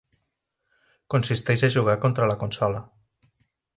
Consisteix a jugar contra la consola.